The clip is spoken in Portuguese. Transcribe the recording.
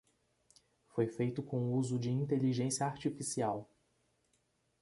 Foi feito com uso de inteligência artificial